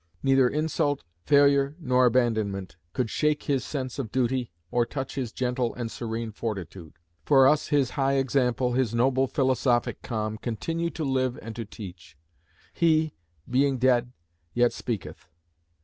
Neither insult, failure, nor abandonment could shake his sense of duty, or touch his gentle and serene fortitude. For us his high example, his noble philosophic calm, continue to live and to teach. He, being dead, yet speaketh.